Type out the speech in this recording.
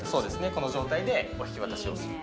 この状態でお引き渡しをする。